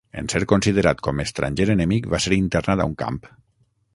En ser considerat com estranger enemic, va ser internat a un camp.